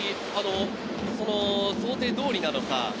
想定通りなのか。